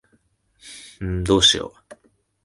んーどうしよ。